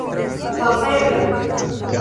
havebla